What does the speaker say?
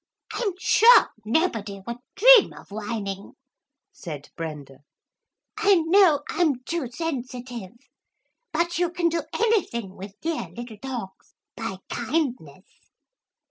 'I'm sure nobody would dream of whining,' said Brenda. 'I know I'm too sensitive; but you can do anything with dear little dogs by kindness.